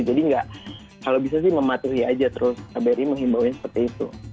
jadi nggak kalau bisa sih mematuhi aja terus kbri mengimbauin seperti itu